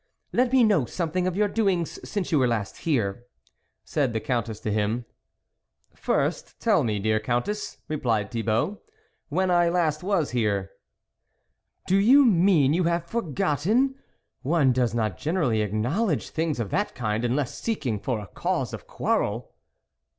" Let me know something of your doings, since you were last here," said the Coun tess to him. " First tell me, dear Countess," replied Thibault, " when I last was here." " Do you mean you have forgotten ? One does not generally acknowledge things of that kind, unless seeking for a cause of quarrel."